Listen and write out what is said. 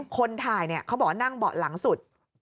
คนถ่ายเนี่ยเขาบอกว่านั่งเบาะหลังสุด